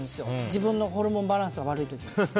自分のホルモンバランスが悪い時に。